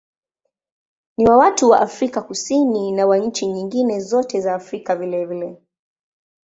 Ni wa watu wa Afrika Kusini na wa nchi nyingine zote za Afrika vilevile.